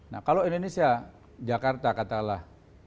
nah kalau indonesia jakarta katalah